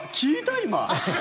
今。